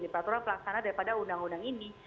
di peraturan pelaksana daripada undang undang ini